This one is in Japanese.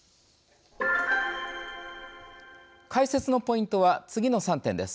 解説のポイントは次の３点です。